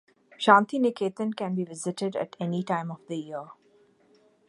Santiniketan can be visited at any time of the year.